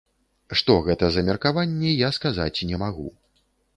Што гэта за меркаванні, я сказаць не магу.